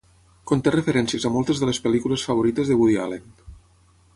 Conté referències a moltes de les pel·lícules favorites de Woody Allen.